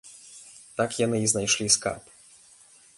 Так яны і знайшлі скарб.